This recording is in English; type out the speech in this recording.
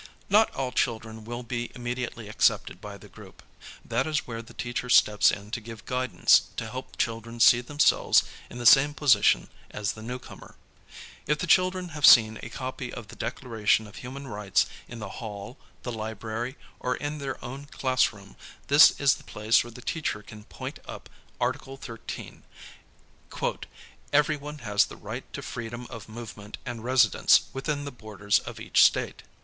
Not all children w ill be immediately accepted by the group. That is where the teacher steps in to give guidance to help children see themselves in the same position as the newcomer. If the children have seen a copy of the Declaration of Human Rights in the hall, the library, or in their own class room, this is the place where the teacher can point up Article 13 ŌĆö "Everyone has the right to freedom of movement and residence within the borders of each state."'